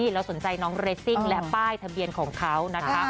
เราสนใจน้องเรซิ่งและป้ายทะเบียนของเขานะคะ